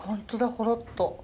ほろっと。